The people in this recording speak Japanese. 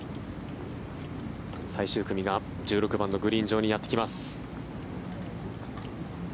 最終組が１６番のグリーン上にやってきます。